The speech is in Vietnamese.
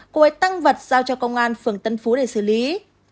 cô ấy tăng vật giao cho công an phường tân phú để xử lý